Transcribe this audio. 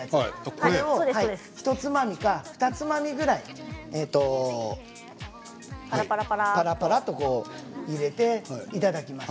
それを１つまみか２つまみぐらいぱらぱらと入れていただきます。